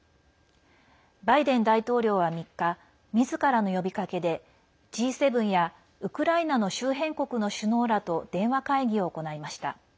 バイデン大統領は３日みずからの呼びかけでＧ７やウクライナの周辺国の首脳らと電話会議を行いました。